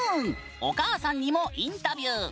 お母さんにもインタビュー。